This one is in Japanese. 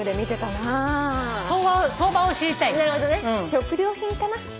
「食料品」かな。